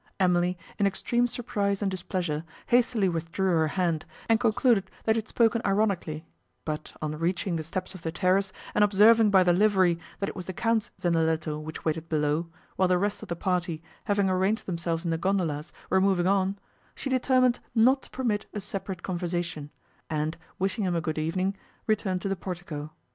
Emily, in extreme surprise and displeasure, hastily withdrew her hand, and concluded that he had spoken ironically; but, on reaching the steps of the terrace, and observing by the livery, that it was the Count's zendaletto which waited below, while the rest of the party, having arranged themselves in the gondolas, were moving on, she determined not to permit a separate conversation, and, wishing him a good evening, returned to the portico.